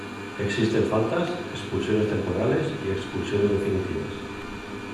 Existen faltas, expulsiones temporales y expulsiones definitivas.